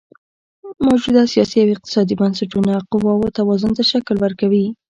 موجوده سیاسي او اقتصادي بنسټونه قواوو توازن ته شکل ورکوي.